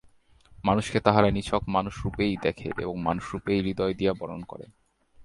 মানুষকে তাহারা নিছক মানুষরূপেই দেখে এবং মানুষরূপেই হৃদয় দিয়া বরণ করে।